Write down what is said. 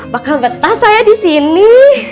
bakal betah saya di sini